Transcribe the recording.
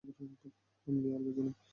কামলি আর বেঁচে নেই।